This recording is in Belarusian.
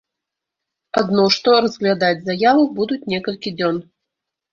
Адно што, разглядаць заяву будуць некалькі дзён.